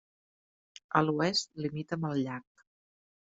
A l'oest limita amb el llac.